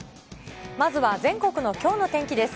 まずは全国のきょうの天気です。